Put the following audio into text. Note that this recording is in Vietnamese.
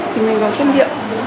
thì mình có xét nghiệm